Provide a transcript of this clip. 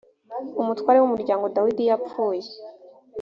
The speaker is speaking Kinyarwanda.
umutware w’ umuryango dawidi yapfuye